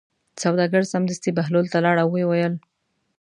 سوداګر سمدستي بهلول ته لاړ او ویې ویل.